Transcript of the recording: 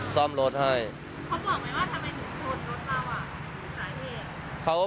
ซ่อมรถให้เขาบอกไหมว่าทำไมถึงชนรถเราอ่ะถึงสาเหตุ